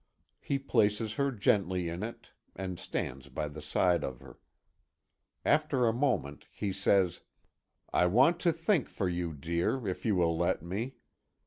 He places her gently in it, and stands by the side of her. After a moment he says: "I want to think for you, dear, if you will let me.